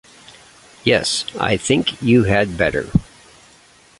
Yes, I think you had better.